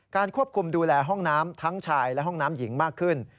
ควบคุมดูแลห้องน้ำทั้งชายและห้องน้ำหญิงมากขึ้น